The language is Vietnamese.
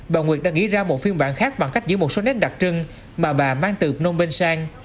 bà nguyệt đã nghĩ ra một phiên bản khác bằng cách giữ một số nét đặc trưng mà bà mang từ phnom penh sang